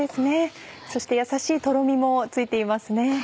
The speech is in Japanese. そしてやさしいとろみもついていますね。